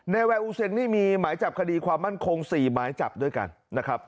แวร์อูเซนนี่มีหมายจับคดีความมั่นคง๔หมายจับด้วยกันนะครับ